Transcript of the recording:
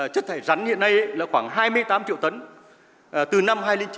chất thải rắn hiện nay là khoảng hai mươi tám triệu tấn từ năm hai nghìn chín